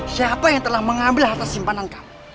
siapa yang telah mengambil harta simpanan kau